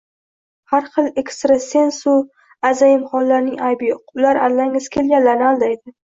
Har xil ekstrasensu azayimxonlarning aybi yo’q: ular aldangisi kelganlarni aldaydi.